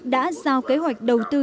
đã giao kế hoạch đầu tư